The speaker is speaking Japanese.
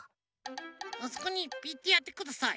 あそこにピッてやってください。